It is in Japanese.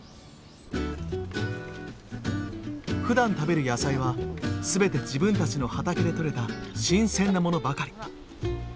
ふだん食べる野菜はすべて自分たちの畑でとれた新鮮なものばかり。